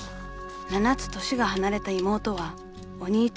［７つ年が離れた妹はお兄ちゃん子］